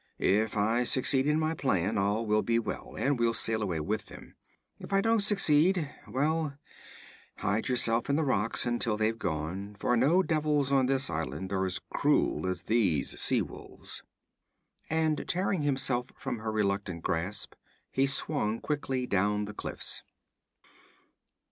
If I succeed in my plan, all will be well, and we'll sail away with them. If I don't succeed well, hide yourself in the rocks until they're gone, for no devils on this island are as cruel as these sea wolves.' And tearing himself from her reluctant grasp, he swung quickly down the cliffs.